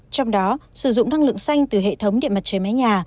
trong đó sử dụng năng lượng xanh từ hệ thống điện mặt trời mái nhà